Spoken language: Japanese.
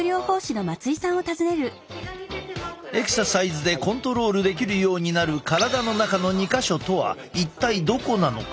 エクササイズでコントロールできるようになる体の中の２か所とは一体どこなのか？